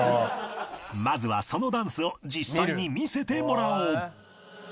まずはそのダンスを実際に見せてもらおう